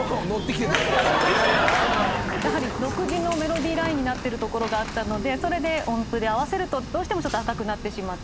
やはり独自のメロディーラインになっているところがあったのでそれで音符で合わせるとどうしても赤くなってしまって。